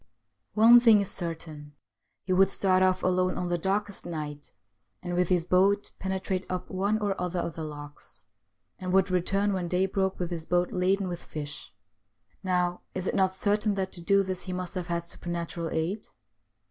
One thing is certain : he would start off alone on the darkest night, and with his boat penetrate up one or other of the lochs, and would return when day broke with his boat laden with fish. Now, is it not certain that to do this he must have had supernatural aid